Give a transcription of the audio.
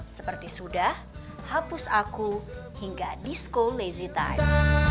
seperti sudah hapus aku hingga disco lazy time